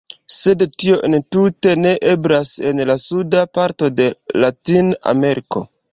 Sed tio entute ne eblas en la suda parto de Latin-Ameriko.